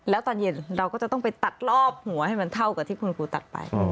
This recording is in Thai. แล้วตอนเย็นเราก็จะต้องไปตัดรอบหัวให้มันเท่ากับที่คุณครูตัดไป